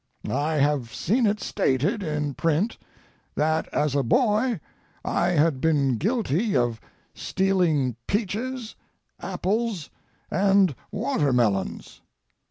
I have seen it stated in print that as a boy I had been guilty of stealing peaches, apples, and watermelons.